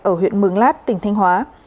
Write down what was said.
ở huyện mường lát tỉnh thanh hóa